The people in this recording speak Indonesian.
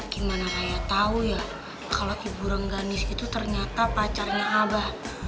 gimana ayah tahu ya kalau ibu rengganis itu ternyata pacarnya abah